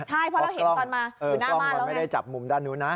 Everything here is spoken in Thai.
ใช่เพราะเราเห็นตอนมาคือกล้องมันไม่ได้จับมุมด้านนู้นนะ